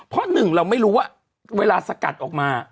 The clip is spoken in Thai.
เพราะหนึ่งเราไม่รู้ว่าเวลาสกัดออกมา